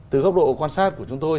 từ góc độ quan sát của chúng tôi